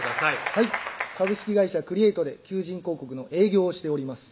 はい株式会社クリエイトで求人広告の営業をしております